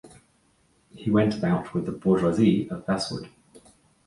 He went about with the bourgeois of Bestwood.